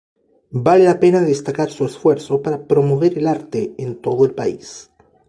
Vale la pena destacar su esfuerzo para promover el arte en todo el país.